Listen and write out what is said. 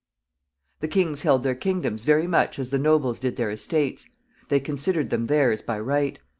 ] The kings held their kingdoms very much as the nobles did their estates they considered them theirs by right.